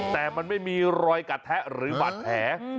แต่มันไม่มีรอยกระแทะหรือหวัดแห